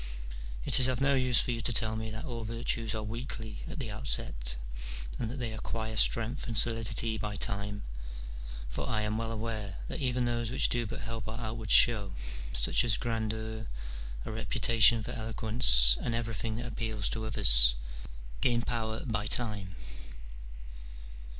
It is of no use for you to tell me that all virtues are weakly at the outset, and that they acquire strength and solidity by time, for I am well aware that even those which do but help our outward show, such as grandeur, a reputation for eloquence, and everything that appeals to others, gain power by time.